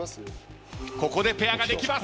ここでペアができます。